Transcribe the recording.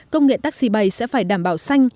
công nghệ taxi bay sẽ phải đảm bảo xanh